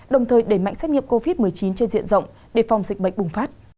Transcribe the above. đồng thời đẩy mạnh xét nghiệm covid một mươi chín trên diện rộng đề phòng dịch bệnh bùng phát